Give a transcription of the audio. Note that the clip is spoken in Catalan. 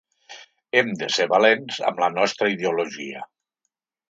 Hem de ser valents amb la nostra ideologia.